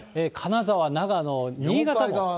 金沢、長野、新潟も。